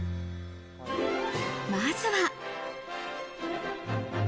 まずは。